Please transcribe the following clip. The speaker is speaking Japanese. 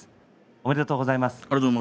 ありがとうございます。